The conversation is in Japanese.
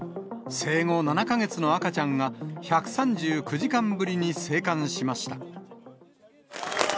生後７か月の赤ちゃんが、１３９時間ぶりに生還しました。